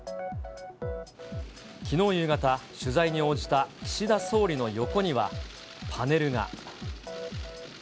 きのう夕方、取材に応じた岸田総理の横にはパネルが。